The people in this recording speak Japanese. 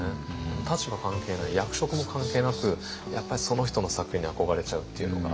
立場関係ない役職も関係なくやっぱりその人の作品に憧れちゃうっていうのがあるので。